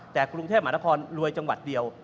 แต่กรุงเทพมหานครรวยจังหวัดเดียว